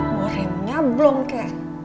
mau reina belum ke